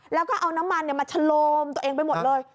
แล้วก็เอาน้ำมันมาชะโลมตัวเองไปหมดเลย